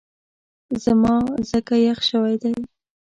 زما ځکه یخ شوی دی